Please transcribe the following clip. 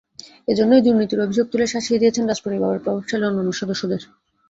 এ জন্যই দুর্নীতির অভিযোগ তুলে শাসিয়ে দিয়েছেন রাজপরিবারের প্রভাবশালী অন্য সদস্যদের।